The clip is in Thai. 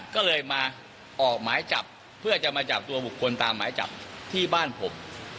ก็เลยมาออกหมายจับเพื่อจะมาจับตัวบุคคลตามหมายจับที่บ้านผม